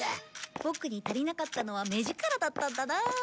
ボクに足りなかったのは目ヂカラだったんだな。